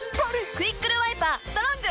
「クイックルワイパーストロング」！